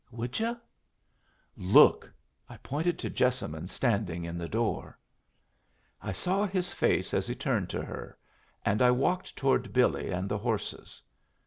"Would yu'?" "Look!" I pointed to Jessamine standing in the door. I saw his face as he turned to her, and I walked toward Billy and the horses.